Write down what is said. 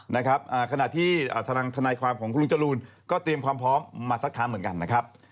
นะครับขณะที่ทางทนายความของคุณลุงจรูนก็เตรียมความพร้อมมาสักครั้งเหมือนกันนะครับ